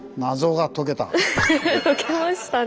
解けましたね。